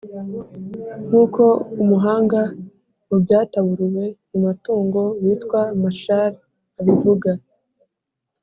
nk’uko umuhanga mu byataburuwe mu matongo witwa marshall abivuga